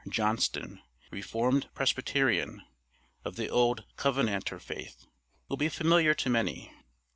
Johnston, Reformed Presbyterian (of the old Covenanter faith), will be familiar to many.